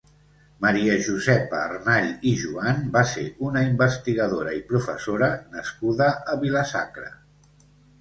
Maria Josepa Arnall i Juan va ser una investigadora i professora nascuda a Vila-sacra.